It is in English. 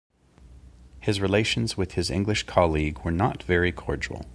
His relations with his English colleague were not very cordial.